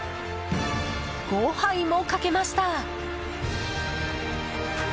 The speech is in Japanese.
５杯もかけました！